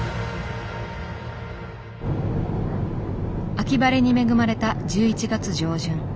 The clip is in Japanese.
秋晴れに恵まれた１１月上旬。